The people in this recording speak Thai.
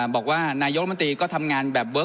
บอกว่านายยกรัฐมนตรี